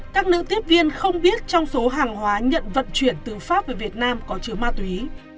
các nữ tiếp viên không biết trong số hàng hóa nhận vận chuyển từ pháp về việt nam có chứa ma túy